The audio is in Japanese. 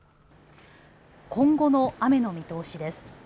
今後の雨の見通しです。